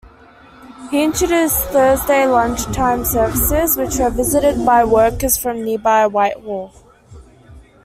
He introduced Thursday lunchtime services, which were visited by workers from nearby Whitehall.